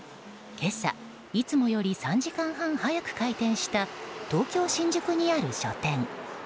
今朝、いつもより３時間半早く開店した東京・新宿にある書店。